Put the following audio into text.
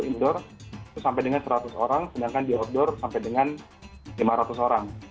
indoor itu sampai dengan seratus orang sedangkan di outdoor sampai dengan lima ratus orang